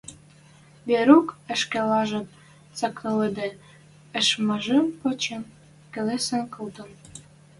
Верук ӹшкежӓт цаклыде, ышмажым пачын, келесен колтен: